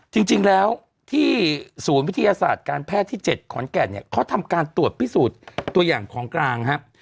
จริงแล้วที่ศูนย์วิทยาศาสตร์การแพทย์ที่๗ขอนแก่นเนี่ยเขาทำการตรวจพิสูจน์ตัวอย่างของกลางครับ